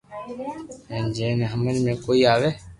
ھين جي ني ھمج ۾ ڪوئي اوي